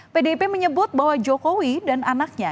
pdip menyebut bahwa jokowi dan anaknya